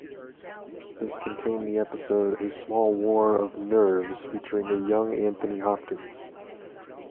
This contained the episode A Small War of Nerves featuring a young Anthony Hopkins.